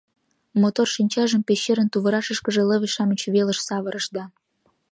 Мотор шинчажым пещерын туврашышкыже лыве-шамыч велыш савырыш да...